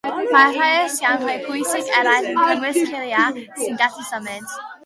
Mae rhai esiamplau pwysig eraill yn cynnwys cilia sy'n gallu symud.